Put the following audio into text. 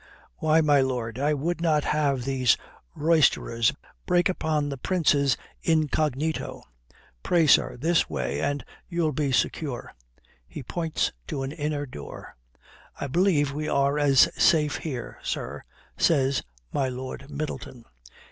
"'Why, my lord, I would not have these roysterers break upon the Prince's incognito. Pray, sir, this way and you'll be secure'; he points to an inner door. "'I believe we are as safe here, sir,' says my Lord Middleton.